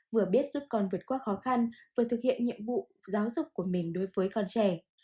vừa biết giúp con vượt qua khó khăn vừa thực hiện nhiệm vụ giáo dục của mình đối với con trẻ